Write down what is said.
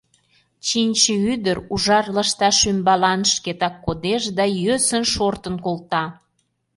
Чинче ӱдыр ужар лышташ ӱмбалан шкетак кодеш да йӧсын шортын колта.